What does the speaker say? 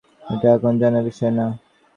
এটা এখন জানার বিষয় না।